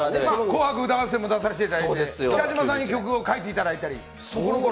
紅白歌合戦も出させていただいて、北島さんに曲を書いていただいたり。